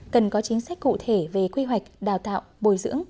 cần có chính sách cụ thể về quy hoạch đào tạo bồi dưỡng